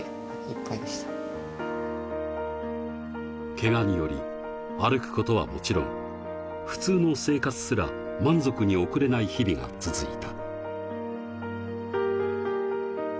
けがにより歩くことはもちろん、普通の生活すら満足に送れない日々が続いた。